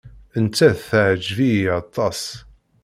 Nettat teɛjeb-iyi aṭas.